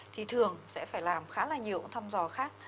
thì thường sẽ phải làm khá là nhiều thăm dò khác